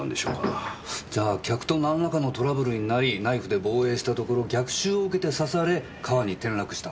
あぁじゃあ客と何らかのトラブルになりナイフで防衛したところ逆襲を受けて刺され川に転落した？